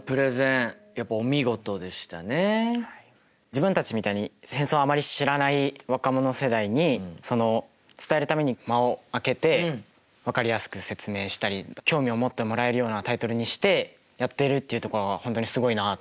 自分たちみたいに戦争をあまり知らない若者世代にその伝えるために間をあけて分かりやすく説明したり興味を持ってもらえるようなタイトルにしてやっているっていうところが本当にすごいなっていうふうに思いました。